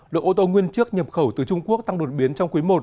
đội ô tô nguyên chức nhập khẩu từ trung quốc tăng đột biến trong quý i